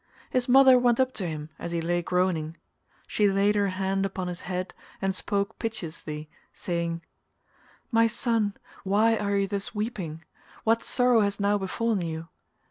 His mother went up to him as he lay groaning; she laid her hand upon his head and spoke piteously, saying, "My son, why are you thus weeping? What sorrow has now befallen you?